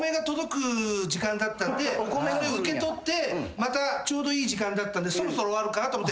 またちょうどいい時間だったんでそろそろ終わるかなと思って。